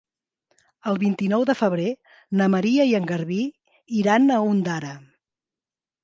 El vint-i-nou de febrer na Maria i en Garbí iran a Ondara.